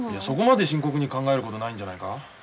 そこまで深刻に考えることないんじゃないか？